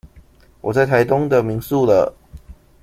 我在台東的民宿了